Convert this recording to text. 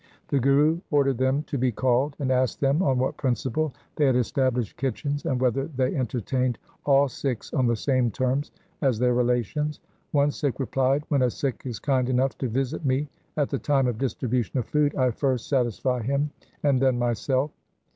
The Guru ordered them to be called, and asked them on what principle they had established kitchens, and whether they entertained all Sikhs on the same terms as their relations. One Sikh replied —' When a Sikh is kind enough to visit me at the time of distribution of food, I first satisfy him and then myself.'